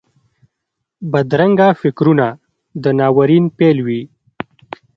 بدرنګه فکرونه د ناورین پیل وي